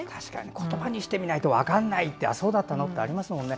確かに言葉にしてみないと分からないってそうだったの？ってありますよね。